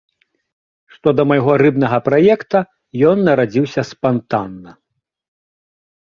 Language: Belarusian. Што да майго рыбнага праекта, ён нарадзіўся спантанна.